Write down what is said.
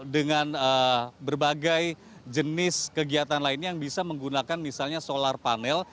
dengan berbagai jenis kegiatan lainnya yang bisa menggunakan misalnya solar panel